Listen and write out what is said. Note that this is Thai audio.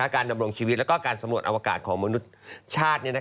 การดำรงชีวิตและการสำรวจอวกาศของมนุษย์ชาติ